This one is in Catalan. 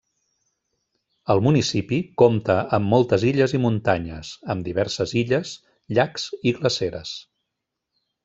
El municipi compta amb moltes illes i muntanyes, amb diverses illes, llacs i glaceres.